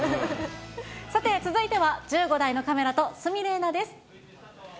さて、続いては、１５台のカメラと鷲見玲奈です。